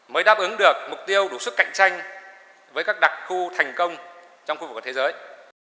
mới đáp ứng được mục tiêu đủ sức cạnh tranh với các đặc khu thành công trong khu vực và thế giới